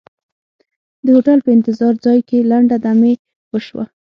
د هوټل په انتظار ځای کې لنډه دمې وشوه.